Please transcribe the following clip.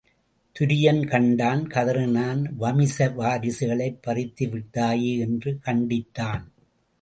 துரியன் கண்டான் கதறினான் வமிச வாரிசுகளைப் பறித்துவிட்டாயே என்று கண்டித்தான்.